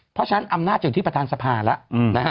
เพราะฉะนั้นอำนาจจะอยู่ที่ประธานสภาแล้วนะฮะ